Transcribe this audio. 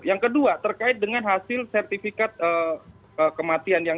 yang kedua terkait dengan hasil sertifikat kematian